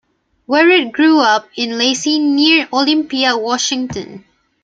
Wherret grew up in Lacey near Olympia, Washington.